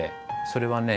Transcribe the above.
それはね